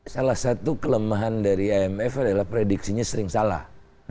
salah satu kelemahan dari imf adalah prediksinya sering salah